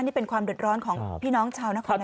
นี่เป็นความเดือดร้อนของพี่น้องชาวนคร